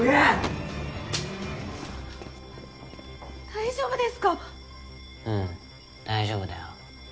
大丈夫ですか⁉うん大丈夫だよ。